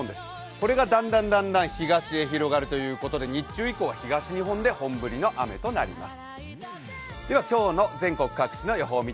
これがだんだん東へ広がるということで日中以降は東日本で本降りの雨となります。